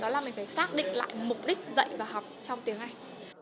đó là mình phải xác định lại mục đích dạy và học trong tiếng anh